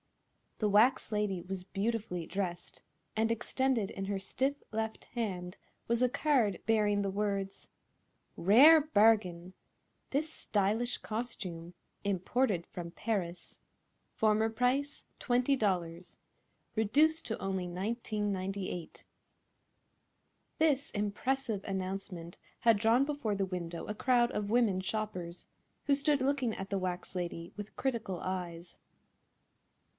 The wax lady was beautifully dressed, and extended in her stiff left hand was a card bearing the words: "RARE BARGIN! This Stylish Costume (Imported from Paris) Former Price, $20, REDUCED TO ONLY $19.98." This impressive announcement had drawn before the window a crowd of women shoppers, who stood looking at the wax lady with critical eyes.